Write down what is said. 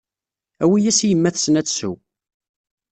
Awi-yas i yemma-tsen ad tsew.